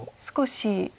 少し。